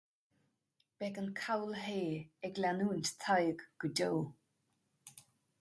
Beidh an callshaoth ag leanúint Tadhg go deo